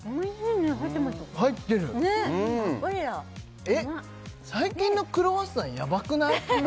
ねったっぷりだえっ最近のクロワッサンやばくない？